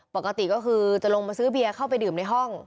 ปกติก็คือจะลงมาซื้อเบียร์เข้าไปดื่มในห้อง